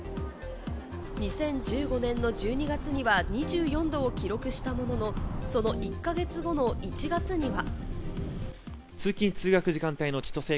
２０１５年の１２月には２４度を記録したものの、その１か月後の１月には。